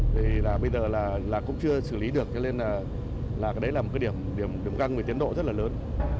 thì bây giờ là cũng chưa xử lý được cho nên là cái đấy là một cái điểm găng về tiến độ rất là lớn